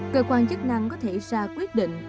cơ quan chức năng có thể ra quyết định